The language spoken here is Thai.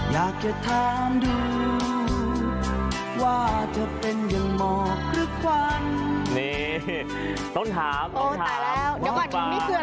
อยากจะถามดูว่าจะเป็นอย่างหมอกหรือควัน